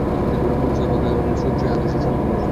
সহীহ বুখারীতে অন্য সূত্রে হাদীসের সমর্থন রয়েছে।